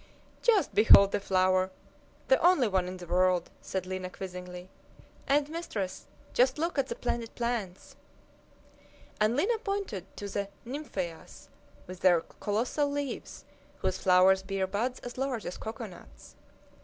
"Just behold the flower the only one in the world," said Lina quizzingly; "and, mistress! just look at the splendid plants!" And Lina pointed to the nymphæas with their colossal leaves, whose flowers bear buds as large as cocoanuts.